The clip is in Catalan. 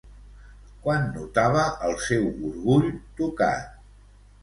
Quan notava el seu orgull tocat?